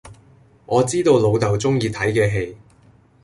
我知道老豆鍾意睇既戲